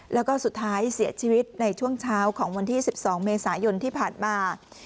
แล้วก็สุดท้ายเสียชีวิตในช่วงเช้าของวันที่๑๒เมษายนที่ผ่านมา